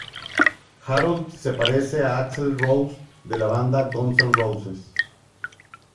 Harold se parece a Axl Rose de la banda Guns N' Roses.